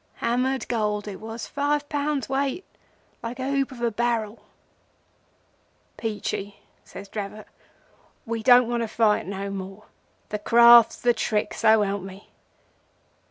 Hammered gold it was—five pound weight, like a hoop of a barrel. "'Peachey,' says Dravot, 'we don't want to fight no more. The Craft's the trick so help me!